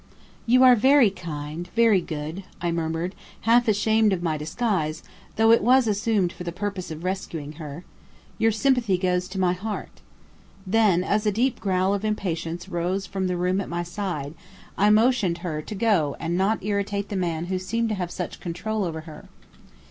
"You are veree kind, veree good," I murmured, half ashamed of my disguise, though it was assumed for the purpose of rescuing her. "Your sympathy goes to my heart." Then as a deep growl of impatience rose from the room at my side, I motioned her to go and not irritate the man who seemed to have such control over her.